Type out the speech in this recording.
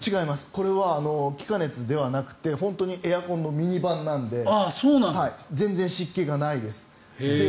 これは気化熱ではなくて本当にエアコンのミニ版なので全然湿気がないです。